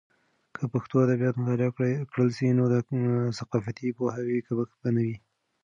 که پښتو ادبیات مطالعه کړل سي، نو د ثقافتي پوهاوي کمښت به نه وي.